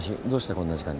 こんな時間に。